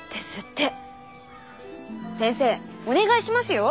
先生お願いしますよー。